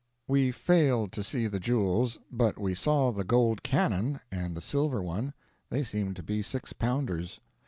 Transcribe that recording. We failed to see the jewels, but we saw the gold cannon and the silver one they seemed to be six pounders.